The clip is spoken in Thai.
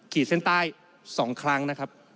ขีดเส้นใต้๒ครั้งนะครับ